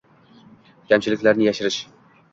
Kamchiliklarni yashirish